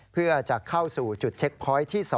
เพื่อจะเข้าสู่จุดเช็คพอยต์ที่๒